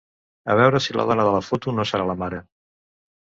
A veure si la dona de la foto no serà la mare.